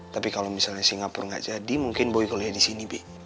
tapi kalau misalnya singapur gak jadi mungkin boy kuliah di sini bi